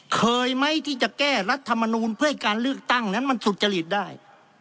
เคยไหมที่จะแก้รัฐมนูลเพื่อให้การเลือกตั้งนั้นมันสุจริตได้